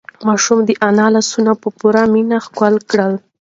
ماشوم د انا لاسونه په پوره مینه ښکل کړل.